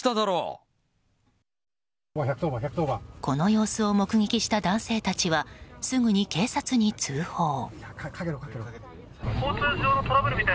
この様子を目撃した男性たちはすぐに警察に通報。